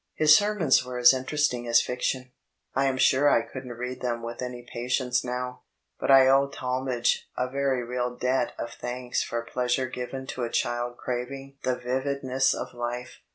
His sermons were as interesting as fiaion. I am sure I couldn't read them with any patience now; but I owe Talmage a very real debt of thanks for pleasure given to a child craving the vividness of life.